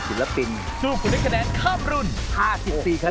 แชมป์กลุ่มนี้คือ